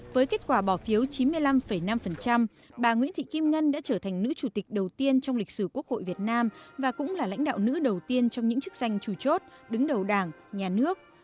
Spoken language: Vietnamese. với kết quả bỏ phiếu chín mươi năm năm bà nguyễn thị kim ngân đã trở thành nữ chủ tịch đầu tiên trong lịch sử quốc hội việt nam và cũng là lãnh đạo nữ đầu tiên trong những chức danh chủ chốt đứng đầu đảng nhà nước